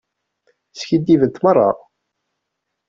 Skiddibent merra.